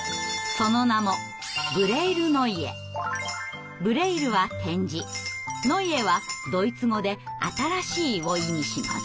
その名もブレイルは点字ノイエはドイツ語で新しいを意味します。